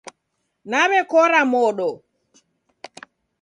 Nawekora modo